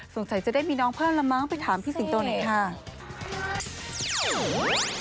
สงสัยจะได้มีน้องเพื่อนละมั้งไปถามพี่สิงห์โตนี้ค่ะ